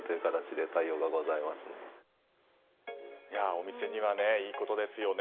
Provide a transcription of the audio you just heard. お店にはいいことですよね。